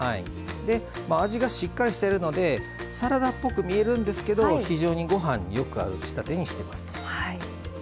味がしっかりしてるのでサラダっぽく見えるんですけど非常にご飯によく合う仕立てにしています。